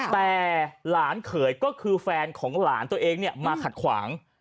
แต่หลานเขยก็คือแฟนของหลานตัวเองมาขัดขวาง